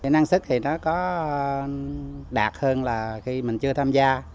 năng sức thì nó có đạt hơn là khi mình chưa tham gia